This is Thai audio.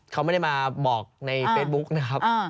เขาไม่ได้มาบอกในเฟซบุ๊กนะครับ